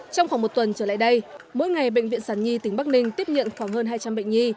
trong khoảng một tuần trở lại đây mỗi ngày bệnh viện sản nhi tỉnh bắc ninh tiếp nhận khoảng hơn hai trăm linh bệnh nhi